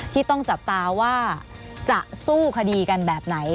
ที่ต้องจับตาว่าจะสู้คดีกันแบบไหน